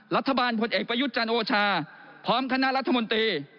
ผลเอกประยุทธ์จันทร์โอชาพร้อมคณะรัฐมนตรี